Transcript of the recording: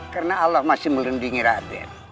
karena allah masih merendingi raden